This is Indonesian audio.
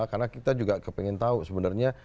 karena kita juga pengen tahu sebenarnya